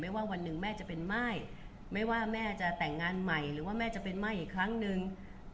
ว่าวันหนึ่งแม่จะเป็นม่ายไม่ว่าแม่จะแต่งงานใหม่หรือว่าแม่จะเป็นม่ายอีกครั้งหนึ่ง